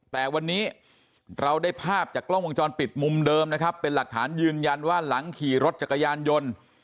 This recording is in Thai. แต่วันนี้เราได้ภาพจากกล้องวงจรปิดมุมเดิมนะครับเป็นหลักฐานยืนยันว่าหลังขี่รถจักรยานยนต์